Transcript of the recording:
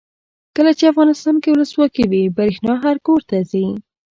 کله چې افغانستان کې ولسواکي وي برښنا هر کور ته ځي.